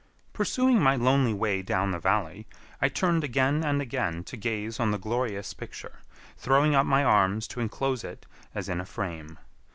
Pursuing my lonely way down the valley, I turned again and again to gaze on the glorious picture, throwing up my arms to inclose it as in a frame.